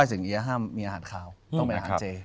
ต้องไปหาฟ์เจ